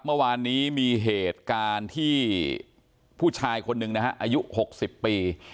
เมื่อวานนี้มีเหตุการณ์ที่ผู้ชายคนหนึ่งนะฮะอายุ๖๐ปี